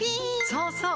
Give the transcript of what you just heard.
そうそう！